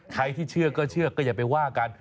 ใครที่เชื่อก็เชื่อก็อย่าไปว่ากัน